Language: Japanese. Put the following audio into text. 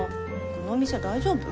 このお店大丈夫？